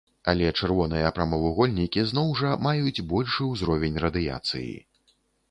Але чырвоныя прамавугольнікі зноў жа маюць большы ўзровень радыяцыі.